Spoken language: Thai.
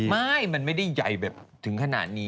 ไม่มันไม่ได้ใหญ่แบบถึงขนาดนี้